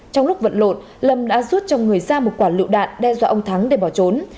trong lúc vận lộn lâm đã rút trong người ra một quả lựu đạn đe dọa ông thắng để bỏ trốn